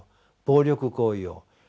暴力行為を。